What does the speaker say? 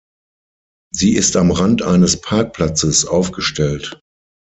Sie ist am Rand eines Parkplatzes aufgestellt.